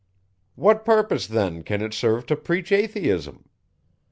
_What purpose then can it serve to preach Atheism?